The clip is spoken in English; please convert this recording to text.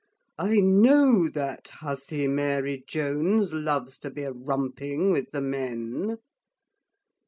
I know that hussy Mary Jones, loves to be rumping with the men.